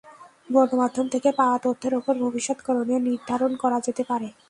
গণমাধ্যম থেকে পাওয়া তথ্যের ওপর ভবিষ্যত্ করণীয় নির্ধারণ করা যেতে পারে।